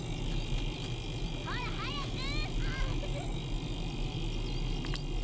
ほら早く！